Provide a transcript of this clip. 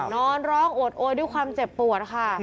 นอนร้องโอดโอยด้วยความเจ็บปวดค่ะ